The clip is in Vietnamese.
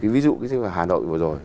ví dụ như hà nội vừa rồi